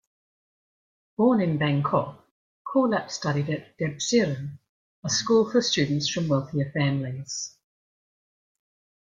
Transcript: Born in Bangkok, Kulap studied at Debsirin, a school for students from wealthier families.